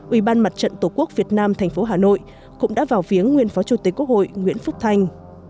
ủy ban mặt trận tổ quốc việt nam tp hà nội cũng đã vào viếng nguyên phó chủ tịch quốc hội nguyễn phúc thanh